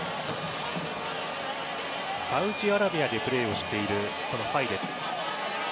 サウジアラビアでプレーしているファイです。